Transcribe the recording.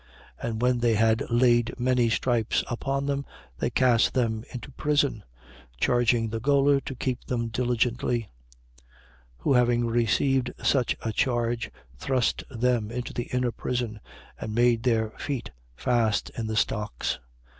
And when they had laid many stripes upon them, they cast them into prison, charging the gaoler to keep them diligently. 16:24. Who having received such a charge, thrust them into the inner prison and made their feet fast in the stocks. 16:25.